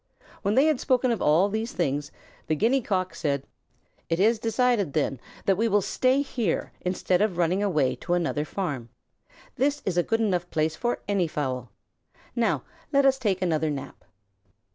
When they had spoken of all these things the Guinea Cock said: "It is decided then that we will stay here instead of running away to another farm. This is a good enough place for any fowl. Now let us take another nap."